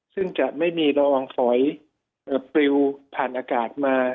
ซึ่งจะไม่มีระวังฝอยปลิวผ่านอากาศมา